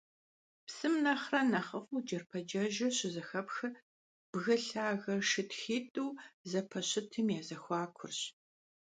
Псым нэхърэ нэхъыфIу джэрпэджэжыр щызэхэпхыр бгы лъагэ шытхитIу зэпэщытым я зэхуакурщ.